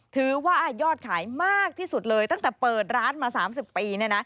ถือว่ายอดขายมากที่สุดเลยตั้งแต่เปิดร้านมา๓๐ปีเนี่ยนะ